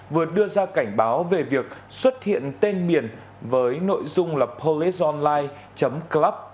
vừa đưa ra cảnh báo về việc xuất hiện tên miền với nội dung là policeonline club